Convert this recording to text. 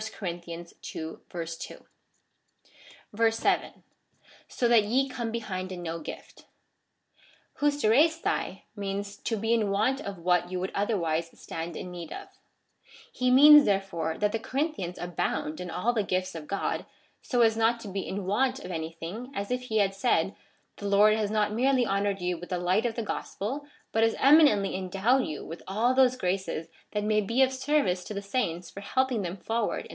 (Chap. ii. 2.) 7. So that ye come behind in no gift. 'Tarepeiadac means to be in want of what you would otherwise stand in need of ^ He means, therefore, that the Corinthians abound in all the gifts of God, so as not to be in want of anything, as if he had said, " The Lord has not merely honoured you with the light of the gosijel, but has eminently endowed you with all those graces that may be of service to the saints for helping them forward in the way of salvation."